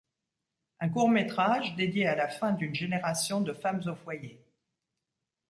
Un court-métrage dédié à la fin d'une génération de femmes aux foyers.